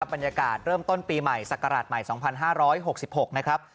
บรรยากาศเริ่มต้นปีใหม่ศักราชใหม่สองพันห้าร้อยหกสิบหกนะครับ